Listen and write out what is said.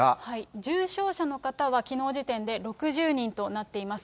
重症者の方はきのう時点で６０人となっています。